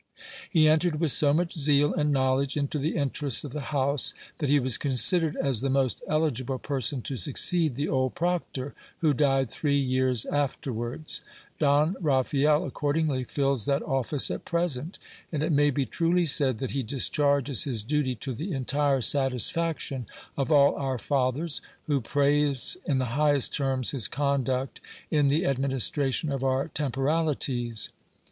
He entered with so much zeal and knowledge into the interests of the house, that he was considered as the most eligible person to succeed the old proctor, who died three years afterwards. Don Raphael accordingly fills that office at present ; and it may be truly said that he discharges his duty to the entire satisfaction of all our fathers, who praise in the highest terms his conduct in the administration of our temporalities.